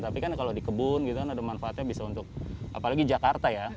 tapi kan kalau di kebun gitu kan ada manfaatnya bisa untuk apalagi jakarta ya